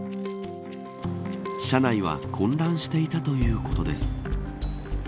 車内は混乱していたということです。